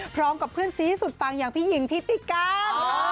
พร้อมกับเพื่อนซีสุดปังอย่างพี่หญิงทิติการ